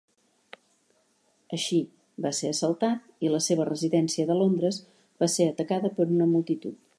Així, va ser assaltat i la seva residència de Londres va ser atacada per una multitud.